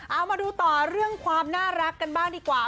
เอามาดูต่อเรื่องความน่ารักกันบ้างดีกว่า